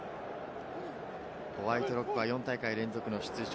ホワイトロックは４大会連続の出場。